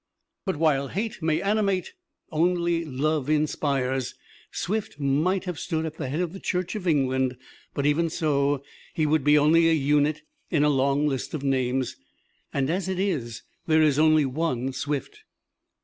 But while hate may animate, only love inspires. Swift might have stood at the head of the Church of England; but even so, he would be only a unit in a long list of names, and as it is, there is only one Swift.